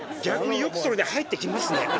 逆によくそれで入ってきますね。